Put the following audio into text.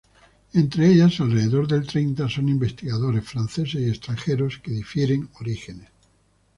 Entre ellas, alrededor de treinta son investigadores franceses y extranjeros de diferentes orígenes.